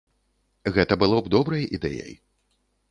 Гэта было б добрай ідэяй.